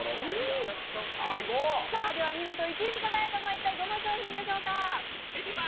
見事１位に輝いたのはどの商品でしょうか？